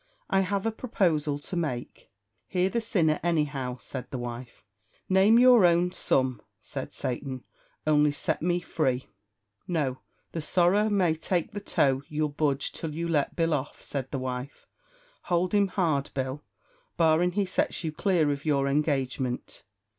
I have a proposal to make." "Hear the sinner anyhow," said the wife. "Name your own sum," said Satan, "only set me free." "No, the sorra may take the toe you'll budge till you let Bill off," said the wife; "hould him hard, Bill, barrin' he sets you clear of your engagement."